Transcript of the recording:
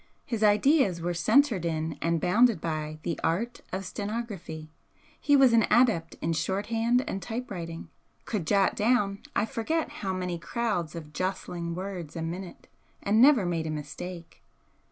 His ideas were centred in and bounded by the art of stenography, he was an adept in shorthand and typewriting, could jot down, I forget how many crowds of jostling words a minute, and never made a mistake.